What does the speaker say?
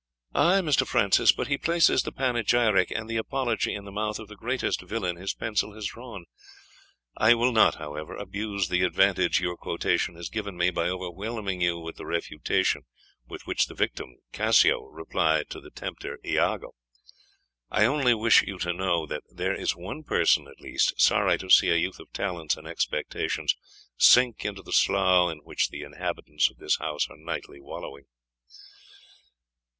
"Ay, Mr. Francis, but he places the panegyric and the apology in the mouth of the greatest villain his pencil has drawn. I will not, however, abuse the advantage your quotation has given me, by overwhelming you with the refutation with which the victim Cassio replies to the tempter Iago. I only wish you to know, that there is one person at least sorry to see a youth of talents and expectations sink into the slough in which the inhabitants of this house are nightly wallowing."